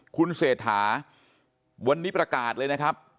คุณเศรษฐาวันนี้ประกาศเลยนะครับ